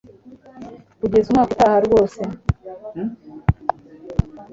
kugeza umwaka utaha rwose